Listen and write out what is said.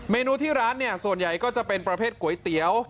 เนื้อที่ร้านเนี่ยส่วนใหญ่ก็จะเป็นประเภทก๋วยเตี๋ยว